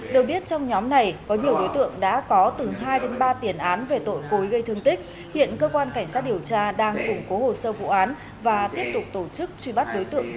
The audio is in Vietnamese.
được biết trong nhóm này có nhiều đối tượng đã có từ hai đến ba tiền án về tội cối gây thương tích hiện cơ quan cảnh sát điều tra đang củng cố hồ sơ vụ án và tiếp tục tổ chức truy bắt đối tượng